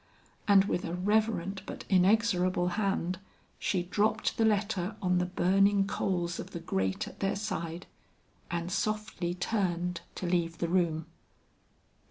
And with a reverent but inexorable hand, she dropped the letter on the burning coals of the grate at their side, and softly turned to leave the room.